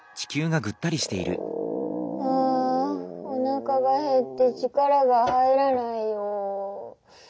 あおなかがへって力が入らないよ。